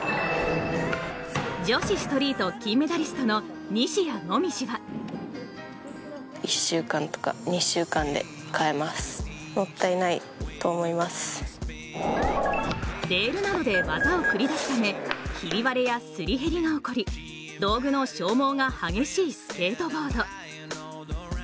女子ストリート金メダリストの西矢椛はレールなどで技を繰り出すためひび割れやすり減りが起こり道具の消耗が激しいスケートボード。